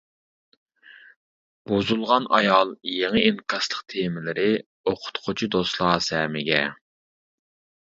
بۇزۇلغان ئايال يېڭى ئىنكاسلىق تېمىلىرى ئوقۇتقۇچى دوستلار سەمىگە!